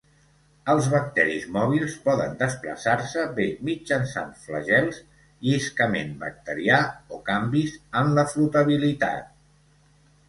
Els bacteris mòbils poden desplaçar-se, bé mitjançant flagels, lliscament bacterià, o canvis en la flotabilitat.